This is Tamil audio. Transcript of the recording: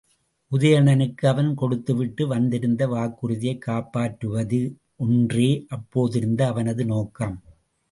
உதயணனுக்கு அவன் கொடுத்துவிட்டு வந்திருந்த வாக்குறுதியைக் காப்பாற்றுவது ஒன்றே அப்போதிருந்த அவனது நோக்கம்.